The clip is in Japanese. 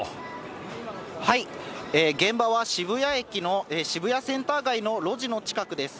現場は渋谷駅の渋谷センター街の路地の近くです。